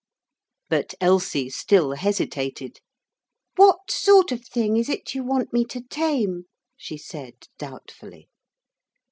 But Elsie still hesitated. 'What sort of thing is it you want me to tame?' she said doubtfully.